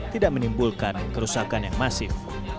tidak menimbulkan kerusakan yang masif